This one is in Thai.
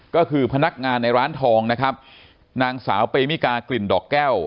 ก็คือพนักงานในร้านทองนะครับนางสาวเปมิกากลิ่นดอกแก้ว